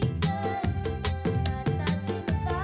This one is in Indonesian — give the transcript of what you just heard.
untuk ku kasih